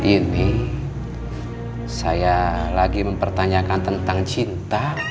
ini saya lagi mempertanyakan tentang cinta